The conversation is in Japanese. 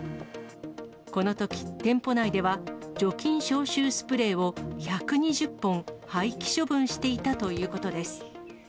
このとき、店舗内では除菌消臭スプレーを１２０本廃棄処分していたということです。